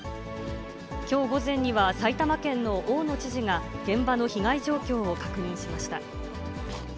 きょう午前には、埼玉県の大野知事が、現場の被害状況を確認しました。